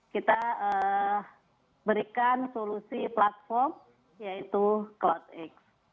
kita berikan solusi platform yaitu cloudx